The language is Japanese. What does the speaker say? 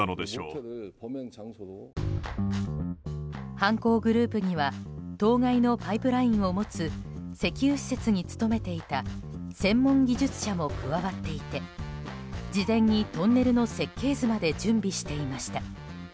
犯行グループには当該のパイプラインを持つ石油施設に勤めていた専門技術者も加わっていて事前にトンネルの設計図まで準備していました。